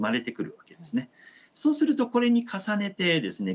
そうするとこれに重ねてですね